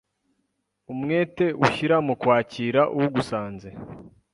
umwete ushyira mu kwakira ugusanze.